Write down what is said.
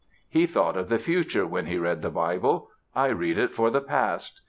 He thought of the future when he read the Bible; I read it for the past.